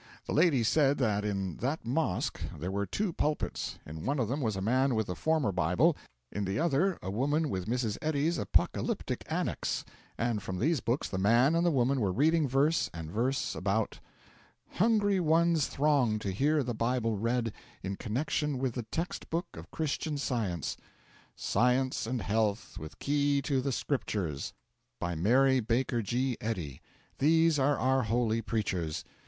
The lady said that in that Mosque there were two pulpits; in one of them was a man with the Former Bible, in the other a woman with Mrs. Eddy's apocalyptic Annex; and from these books the man and the woman were reading verse and verse about: 'Hungry ones throng to hear the Bible read in connection with the text book of Christian Science, "Science and Health, with Key to the Scriptures," by Mary Baker G. Eddy. These are our only preachers.